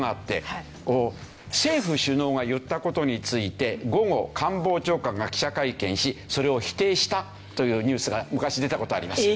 政府首脳が言った事について午後官房長官が記者会見しそれを否定したというニュースが昔出た事あります。